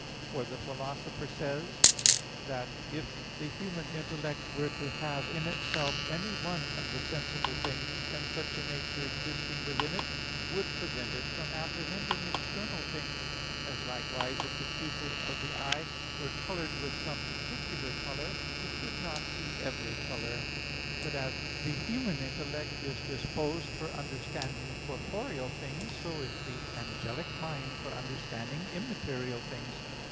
For the Philosopher says (De Anima iii, text. 4), that if the human intellect were to have in itself any one of the sensible things, then such a nature existing within it would prevent it from apprehending external things; as likewise, if the pupil of the eye were colored with some particular color, it could not see every color. But as the human intellect is disposed for understanding corporeal things, so is the angelic mind for understanding immaterial things.